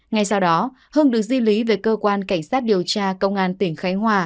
ngay sau đó hưng được di lý về cơ quan cảnh sát điều tra công an tỉnh khánh hòa